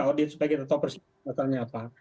audit supaya kita tahu persimpulannya apa